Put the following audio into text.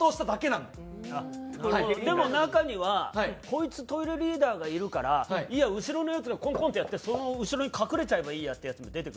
でも中にはこいつトイレリーダーがいるから後ろのヤツがコンコンってやってその後ろに隠れちゃえばいいやってヤツも出てくるよ。